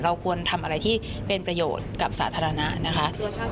ควรทำอะไรที่เป็นประโยชน์กับสาธารณะนะคะ